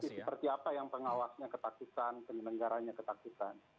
demokrasi seperti apa yang pengawasnya ketaktifan penyelenggaranya ketaktifan